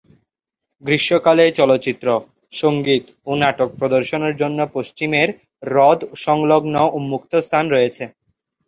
গ্রীষ্মকালে চলচ্চিত্র, সঙ্গীত ও নাটক প্রদর্শনের জন্য পশ্চিমের হ্রদ সংলগ্ন উন্মুক্ত স্থান রয়েছে।